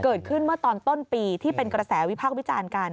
เกิดขึ้นเมื่อตอนต้นปีที่เป็นกระแสวิพากษ์วิจารณ์กัน